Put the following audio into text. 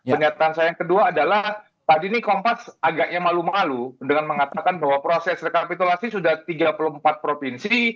pernyataan saya yang kedua adalah pak dini kompas agaknya malu malu dengan mengatakan bahwa proses rekapitulasi sudah tiga puluh empat provinsi